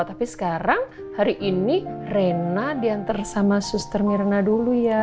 tapi sekarang hari ini rena diantar sama suster mirna dulu ya